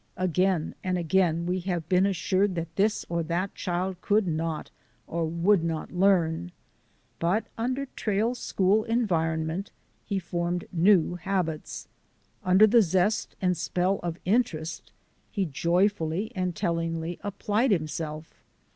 Again and again we have been assured that this or that child could not or would not learn. But under Trail School environ ment he formed new habits. Under the zest and spell of interest he joyfully and tellingly applied himself.